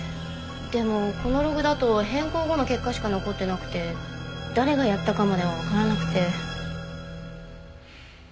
でもこのログだと変更後の結果しか残ってなくて誰がやったかまではわからなくて。